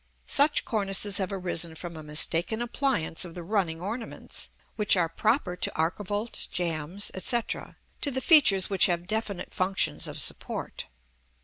Such cornices have arisen from a mistaken appliance of the running ornaments, which are proper to archivolts, jambs, &c., to the features which have definite functions of support.